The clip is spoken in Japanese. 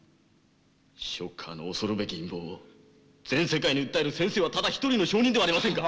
ショッカーの恐るべき陰謀を全世界に訴える先生はただ一人の証人ではありませんか！